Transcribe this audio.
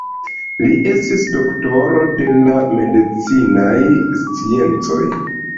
Li estis doktoro de la medicinaj sciencoj.